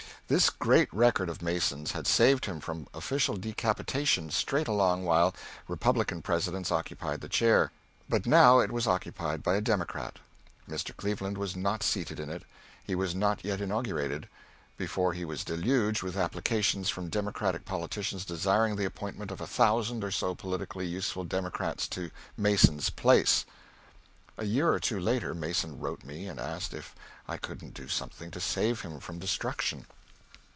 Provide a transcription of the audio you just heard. This great record of Mason's had saved him from official decapitation straight along while Republican Presidents occupied the chair, but now it was occupied by a Democrat. Mr. Cleveland was not seated in it he was not yet inaugurated before he was deluged with applications from Democratic politicians desiring the appointment of a thousand or so politically useful Democrats to Mason's place. A year or two later Mason wrote me and asked me if I couldn't do something to save him from destruction.